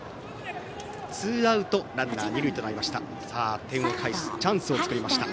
ツーアウトランナー、二塁となりました。